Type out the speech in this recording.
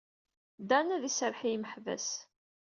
Dan ad d-iserreḥ i yimeḥbas.